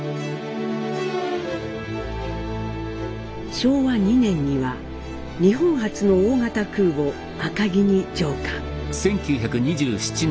昭和２年には日本初の大型空母「赤城」に乗艦。